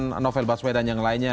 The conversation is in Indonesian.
dengan novel baswedan yang lainnya